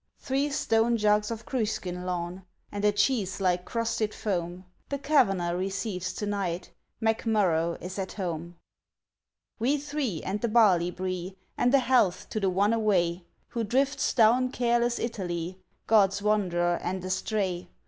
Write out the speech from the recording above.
Three stone jugs of Cruiskeen Lawn, And a cheese like crusted foam! The Kavanagh receives to night! McMurrough is at home! We three and the barley bree! And a health to the one away, Who drifts down careless Italy, God's wanderer and estray!